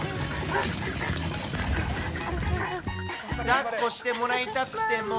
だっこしてもらいたくても。